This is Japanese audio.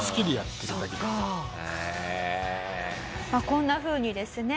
こんなふうにですね